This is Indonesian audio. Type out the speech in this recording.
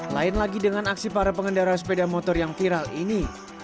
lain lagi dengan aksi para pengendara sepeda motor yang viral ini